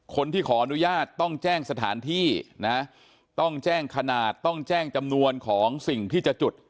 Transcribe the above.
คนที่ขออนุญาตต้องแจ้งสถานที่นะต้องแจ้งขนาดต้องแจ้งจำนวนของสิ่งที่จะจุด